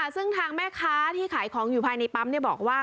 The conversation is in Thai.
ซึ่งทางแม่ค้าที่ขายของอยู่ภายในปั๊มบอกว่า